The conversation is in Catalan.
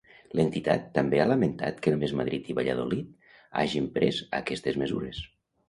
L'entitat també ha lamentat que només Madrid i Valladolid hagin pres aquestes mesures.